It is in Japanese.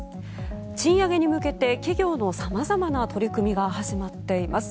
賃上げに向けて企業の様々な取り組みが始まっています。